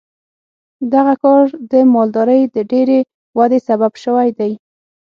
دغه کار د مالدارۍ د ډېرې ودې سبب شوی دی.